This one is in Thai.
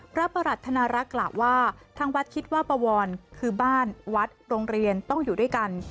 พระประหลัดธนารักษ์กล่าวว่าทางวัดคิดว่าปวรคือบ้านวัดโรงเรียนต้องอยู่ด้วยกัน